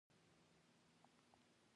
عملي ګامونو اخیستلو ته تیاری کوي.